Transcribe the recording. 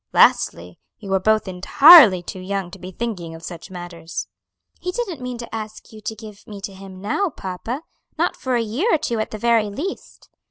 Lastly, you are both entirely too young to be thinking of such matters." "He didn't mean to ask you to give me to him now, papa; not for a year or two at the very least."